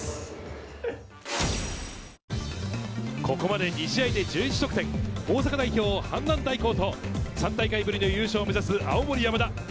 ここまで２試合で１１得点、大阪代表・阪南大高と３大会ぶりの優勝を目指す青森山田。